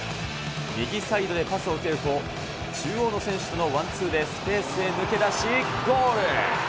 右サイドでパスを受けると、中央の選手とのワンツーでスペースへ抜け出し、ゴール。